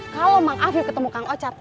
kalo mang afip ketemu kang ocat